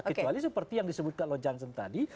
kecuali seperti yang disebut kak loh jansen tadi